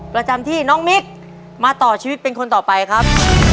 ประจำที่น้องมิกมาต่อชีวิตเป็นคนต่อไปครับ